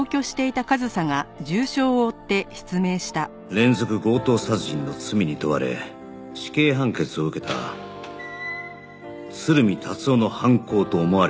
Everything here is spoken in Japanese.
連続強盗殺人の罪に問われ死刑判決を受けた鶴見達男の犯行と思われていた